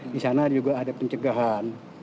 di sana juga ada pencegahan